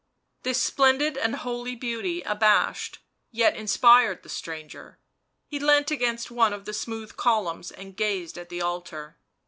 This splendid and holy beauty abashed, yet inspired the stranger; he leant against one of the smooth columns and gazed at the altar.